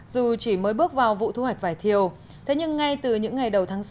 dù chỉ mới bước vào vụ thu hoạch vải thiều thế nhưng ngay từ những ngày đầu tháng sáu